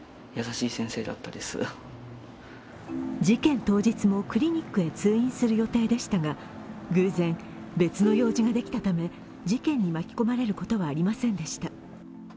事件当日もクリニックへ通院する予定でしたが、偶然、別の用事ができたため事件に巻き込まれることはありませんでした。